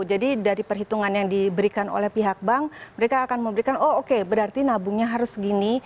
jadi dari perhitungan yang diberikan oleh pihak bank mereka akan memberikan oh oke berarti nabungnya harus gini